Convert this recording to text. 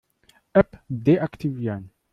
App deaktivieren.